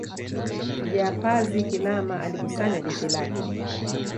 Shujaa Pazi Kilama alikusanya jeshi lake